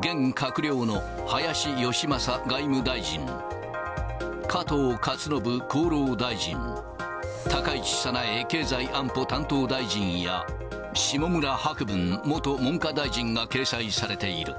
現閣僚の林芳正外務大臣、加藤勝信厚労大臣、高市早苗経済安保担当大臣や、下村博文元文科大臣が掲載されている。